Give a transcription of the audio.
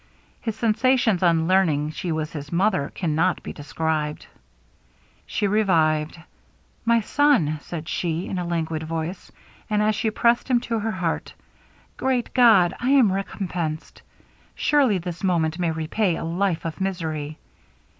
His sensations on learning she was his mother cannot be described. She revived. 'My son!' said she, in a languid voice, as she pressed him to her heart. 'Great God, I am recompensed! Surely this moment may repay a life of misery!'